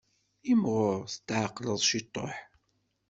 Imɣur tetεeqqleḍ ciṭuḥ.